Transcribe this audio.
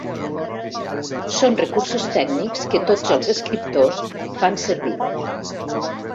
Són recursos tècnics que tots els escriptors fan servir.